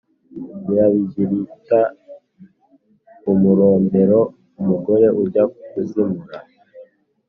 Nyirabigirigita mu murombero-Umugore ujya kuzimura.